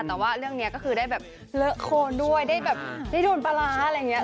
แต่ว่าเรื่องนี้ก็คือได้แบบเลอะโคนด้วยได้แบบได้ดูปลาร้าอะไรอย่างนี้